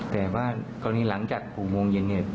แต่ว่าตอนนี้หลังจากภูมิวงเย็นเนี่ย